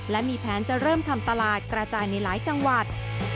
และมีแผนจะเริ่มทำตลาดกระจายในหลายจังหวัด